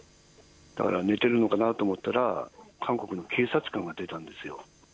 だから寝ているのかなと思ったら、韓国の警察官が出たんですよ。